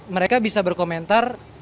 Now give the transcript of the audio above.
mereka bisa berkomentar